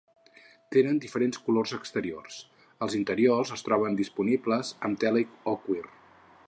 Té diferents colors exteriors, els interiors es troben disponibles amb tela o cuir.